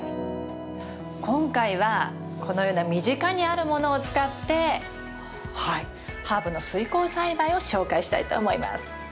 今回はこのような身近にあるものを使ってハーブの水耕栽培を紹介したいと思います。